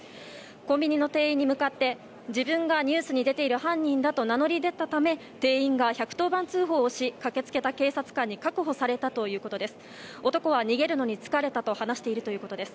コンビニの店員に向かって自分がニュースに出ている犯人だと名乗り出たため店員が１１０番通報をし駆けつけた警察官に確保されたということです。